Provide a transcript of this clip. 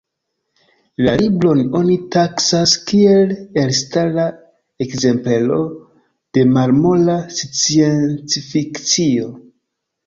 La libron oni taksas kiel elstara ekzemplero de malmola sciencfikcio.